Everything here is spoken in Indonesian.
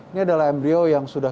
ini adalah embryo yang sudah